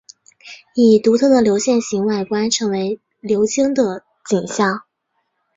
以独特的流线型外观成为流经的景象。